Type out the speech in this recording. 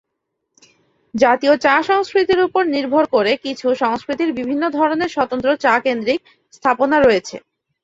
জাতীয় চা সংস্কৃতির উপর নির্ভর করে কিছু সংস্কৃতির বিভিন্ন ধরনের স্বতন্ত্র চা-কেন্দ্রিক স্থাপনা রয়েছে।